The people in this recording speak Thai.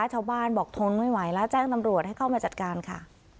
ชาวบ้านบอกทนไม่ไหวแล้วแจ้งตำรวจให้เข้ามาจัดการค่ะ